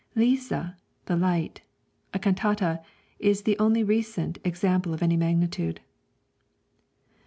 'Lyset' (The Light), a cantata, is the only recent example of any magnitude.